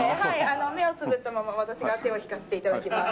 目をつぶったまま私が手を引かせて頂きます。